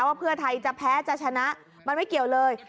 ว่าเพื่อไทยจะแพ้จะชนะมันไม่เกี่ยวเลย